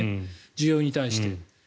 需要に対して。